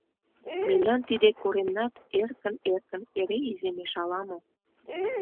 — Мемнан тиде коремнат эркын-эркын эре иземеш ала-мо.